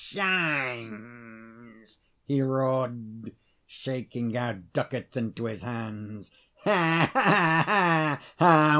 how it shines!" he roared, shaking out ducats into his hands: "ha, ha, ha!